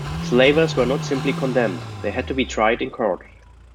Slavers were not simply condemned; they had to be tried in courts.